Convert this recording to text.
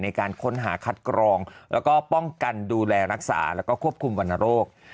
ในการค้นหาคัดกรองแล้วก็ป้องกันดูแลรักษาแล้วก็ควบคุมวรรณโรค